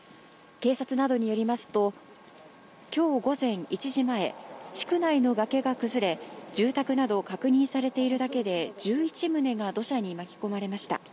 警察などによりますと、きょう午前１時前、地区内の崖が崩れ、住宅など確認されているだけで１１棟が土砂に巻き込まれました。